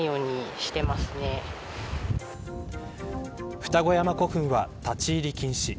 二子山古墳は立ち入り禁止。